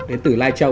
đến từ lai châu